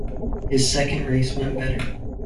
His second race went better.